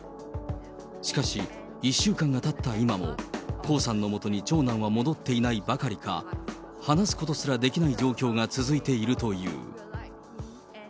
しかし、１週間がたった今も、江さんのもとに長男は戻っていないばかりか、話すことすらできない状況が続いているという。